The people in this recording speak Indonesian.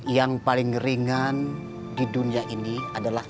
yang paling ringan di dunia ini adalah